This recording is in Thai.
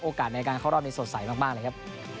โอกาสในการเข้ารอบได้สดใสมากเลยครับ